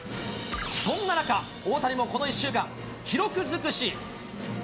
そんな中、大谷もこの１週間、記録尽くし。